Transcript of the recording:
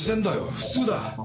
普通だ。